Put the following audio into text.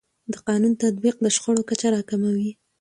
د قانون تطبیق د شخړو کچه راکموي.